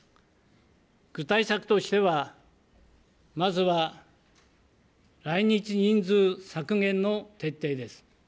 具体策としては、まずは来日人数削減の徹底です。